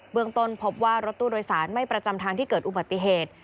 เมืองต้นพบว่ารถตู้โดยสารไม่ประจำทางที่เกิดอุบัติเหตุ